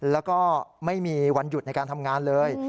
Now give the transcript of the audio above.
แล้วก็ไม่มีวันหยุดในการทำงานเลย